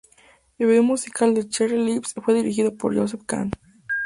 El video musical de "Cherry lips" fue dirigido por Joseph Kahn.